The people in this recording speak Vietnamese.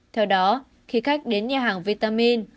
theo đó khi khách đến nhà hàng vitamin